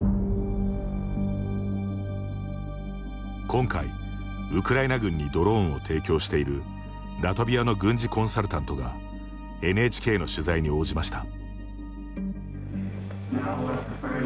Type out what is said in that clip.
今回、ウクライナ軍にドローンを提供しているラトビアの軍事コンサルタントがＮＨＫの取材に応じました。